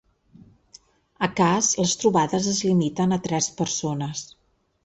A cas, les trobades es limiten a tres persones.